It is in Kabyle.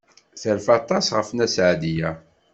Terfa aṭas ɣef Nna Seɛdiya.